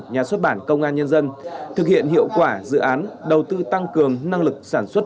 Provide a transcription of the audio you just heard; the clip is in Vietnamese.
nhà xuất bản công an nhân dân thực hiện hiệu quả dự án đầu tư tăng cường năng lực sản xuất